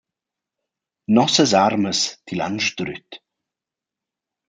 Nossas armas til han sdrüt.